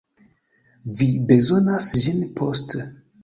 Vi bezonos ĝin poste.